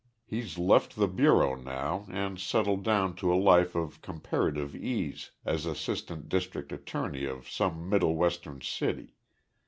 He's left the bureau now and settled down to a life of comparative ease as assistant district attorney of some middle Western city.